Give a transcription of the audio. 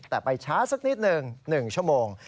แต่ไปช้าสักนิดหนึ่ง๑ชั่วโมง